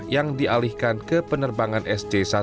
yang dialihkan ke penerbangan sj satu ratus delapan puluh dua